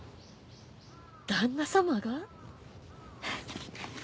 旦那様が？